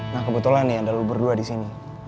nah kebetulan nih ada lo berdua disini